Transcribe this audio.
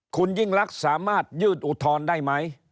คุณยิ่งรักสามารถยื่นอุทธรณ์ได้ไหม